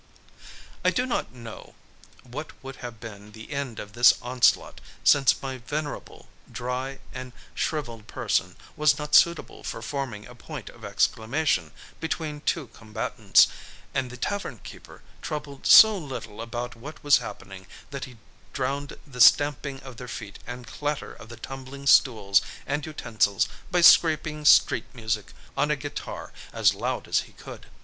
I do not know what would have been the end of this onslaught, since my venerable, dry, and shriveled person was not suitable for forming a point of exclamation between two combatants; and the tavern keeper troubled so little about what was happening that he drowned the stamping of their feet and clatter of the tumbling stools and utensils by scraping street music on a guitar as loud as he could.